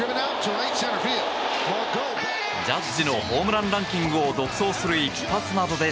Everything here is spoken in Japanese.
ジャッジのホームランランキングを独走する一発などで